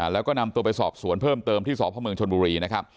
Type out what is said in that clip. แล้วก็นำตัวไปสอบสวนเพิ่มเติมที่สพเมืองชนบุรีนะครับ